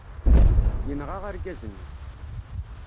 Yenɣa argaz-nni.